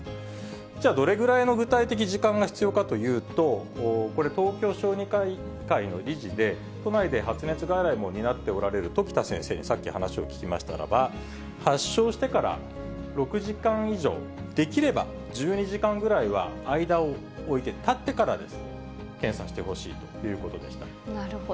じゃあ、どれぐらいの具体的時間が必要かというと、これ、東京小児科医会の理事で、都内で発熱外来も担っておられる時田先生にさっき話を聞きましたならば、発症してから６時間以上、できれば、１２時間ぐらいは間を置いて、たってから検査してほしいというなるほど。